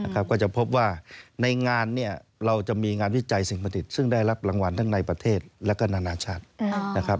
ก็จะพบว่าในงานเราจะมีงานวิจัยสิ่งประดิษฐ์ซึ่งได้รับรางวัลทั้งในประเทศและก็นานาชาตินะครับ